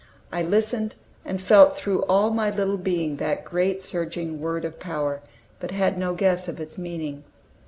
I listened, and felt through all my little being that great, surging word of power, but had no guess of its meaning.